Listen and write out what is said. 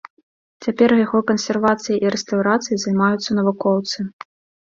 Цяпер яго кансервацыяй і рэстаўрацыяй займаюцца навукоўцы.